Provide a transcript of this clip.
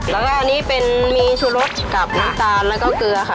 แล้วก็อันนี้เป็นมีชูรสกับน้ำตาลแล้วก็เกลือค่ะ